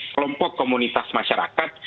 kelompok komunitas masyarakat